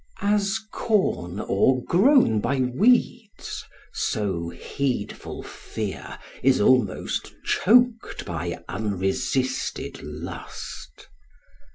As corn o'ergrown by weeds, so heedful fear Is almost choked by unresisted lust.